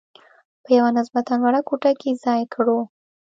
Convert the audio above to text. په یوه نسبتاً وړه کوټه کې ځای کړو.